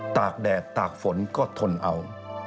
ตากแดดตากฝนก็ทนเอา